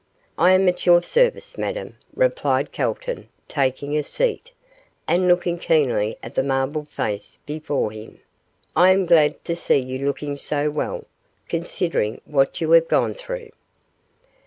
'I am at your service, Madame,' replied Calton, taking a seat, and looking keenly at the marble face before him; 'I am glad to see you looking so well, considering what you have gone through.